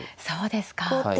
そうですか。